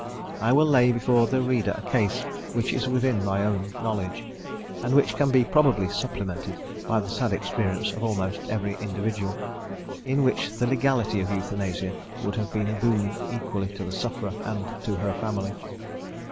I will lay before the reader a case which is within my own knowledge, and which can be probably supplemented by the sad experience of almost every individual, in which the legality of euthanasia would have been a boon equally to the sufferer and to her family.